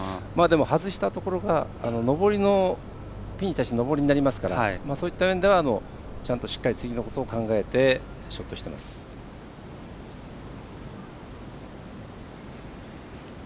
外したところが、ピンに対して上りになりますからそういった面ではちゃんとしっかり次のことを考えてショットしてます。